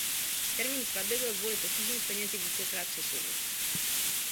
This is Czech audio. Termín svatby byl kvůli potížím s penězi vícekrát přesunut.